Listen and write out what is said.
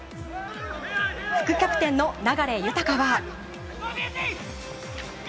副キャプテンの流大は。